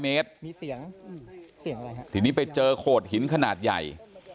๖๐๐เมตรทีนี้ไปเจอโขดหินขนาดใหญ่